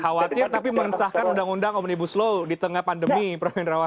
khawatir tapi mengesahkan undang undang omnibus law di tengah pandemi prof hendrawan